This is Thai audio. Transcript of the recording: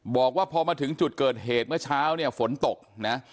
บอกว่าพอมาถึงจุดเกิดเหตุเมื่อเช้าเนี่ยฝนตกนะ